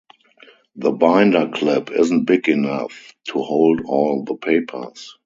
The binder clip isn't big enough to hold all the papers.